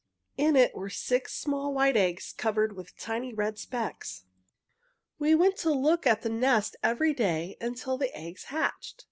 "In it were six small white eggs covered with tiny red specks. We went to look at the nest every day until the eggs hatched.